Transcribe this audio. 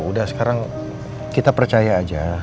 udah sekarang kita percaya aja